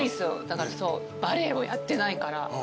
だからバレエをやってないから。